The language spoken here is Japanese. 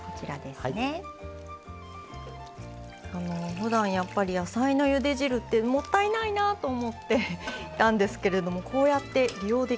ふだんやっぱり野菜のゆで汁ってもったいないなと思っていたんですけれどもこうやって利用できるのはうれしいですね。